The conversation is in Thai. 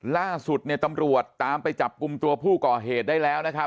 ล่าสุดเนี่ยตำรวจตามไปจับกลุ่มตัวผู้ก่อเหตุได้แล้วนะครับ